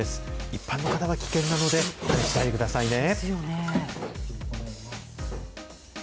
一般の方は危険なので、お控えくださいね。